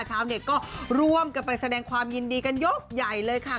ชาวเน็ตก็ร่วมกันไปแสดงความยินดีกันยกใหญ่เลยค่ะ